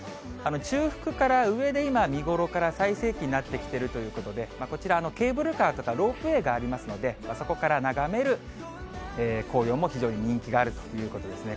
中腹から上で今、見頃から最盛期になっているということで、こちら、ケーブルカーとかロープウエーがありますので、そこから眺める紅葉も非常に人気があるということですね。